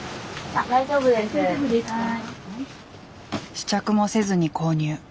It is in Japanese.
試着もせずに購入。